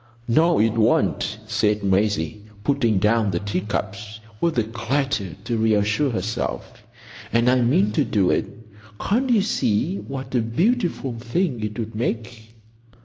"No, it won't," said Maisie, putting down the teacups with a clatter to reassure herself. "And I mean to do it. Can't you see what a beautiful thing it would make?"